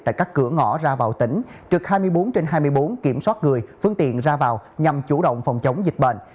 tại các cửa ngõ ra vào tỉnh trực hai mươi bốn trên hai mươi bốn kiểm soát người phương tiện ra vào nhằm chủ động phòng chống dịch bệnh